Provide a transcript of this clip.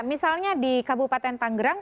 misalnya di kabupaten tanggerang